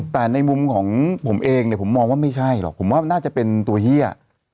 แต่ในมุมของผมเองเนี่ยผมมองว่าไม่ใช่หรอกผมว่าน่าจะเป็นตัวเฮีย